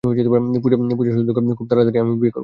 পূজা, শুধু দেখ, খুব তাড়াতাড়ি আমিও বিয়ে করব।